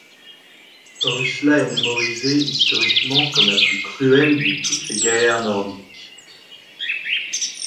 Rusla est mémorisée historiquement comme la plus cruelle de toutes les guerrières Nordiques.